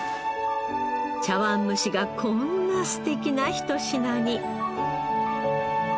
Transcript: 茶わん蒸しがこんな素敵なひと品に